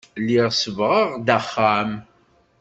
Lliɣ sebbɣeɣ-d axxam.